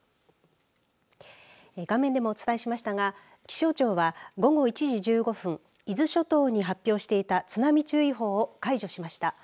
画面でもお伝えしましたが気象庁は午後１時１５分伊豆諸島に発表していた津波注意報を解除しました。